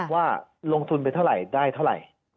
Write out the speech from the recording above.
ว่าลงทุนไปเท่าไหร่ได้เท่าไหร่